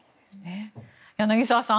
柳澤さん